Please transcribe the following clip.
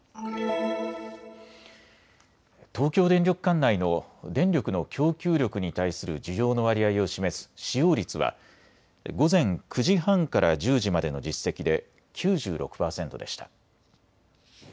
東京電力管内の電力の供給力に対する需要の割合を示す使用率は午前９時半から１０時までの実績で９６％でした。